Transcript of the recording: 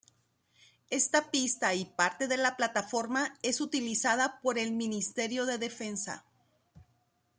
Esta pista y parte de la plataforma es utilizada por el Ministerio de Defensa.